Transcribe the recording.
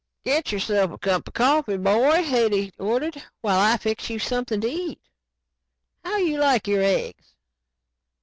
"Get yourself a cup of coffee, boy," Hetty ordered, "while I fix you something to eat. How you like your eggs?"